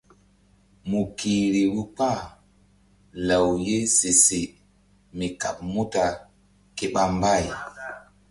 Mu kihri vbu kpah law ye se se mi kaɓ muta ke ɓa mbay.